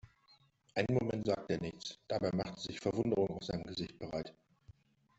Einen Moment lang sagte er nichts, dabei machte sich Verwunderung auf seinem Gesicht breit.